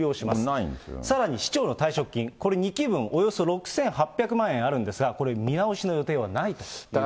さらに市長の退職金、これ、２期分およそ６８００万円あるんですが、これ見直しの予定はないということです。